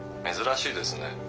珍しいですね。